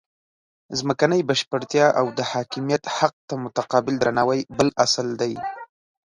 ځمکنۍ بشپړتیا او د حاکمیت حق ته متقابل درناوی بل اصل دی.